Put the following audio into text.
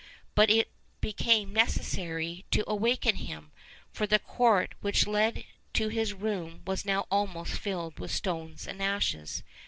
But it became necessary to awaken him, for the court which led to his room was now almost filled with stones and ashes.